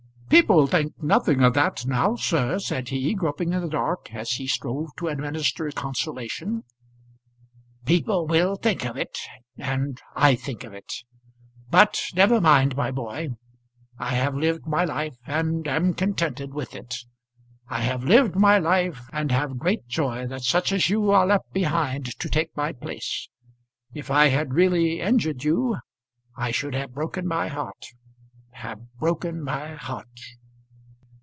"People think nothing of that now, sir," said he, groping in the dark as he strove to administer consolation. "People will think of it; and I think of it. But never mind, my boy. I have lived my life, and am contented with it. I have lived my life, and have great joy that such as you are left behind to take my place. If I had really injured you I should have broken my heart have broken my heart."